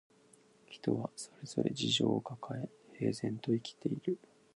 人はそれぞれ事情をかかえ、平然と生きている